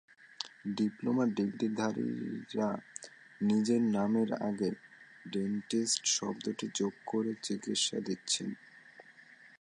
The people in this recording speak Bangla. ডিপ্লোমা ডিগ্রিধারীরা নিজের নামের আগে ডেন্টিস্ট শব্দটি যোগ করে চিকিৎসা দিচ্ছেন।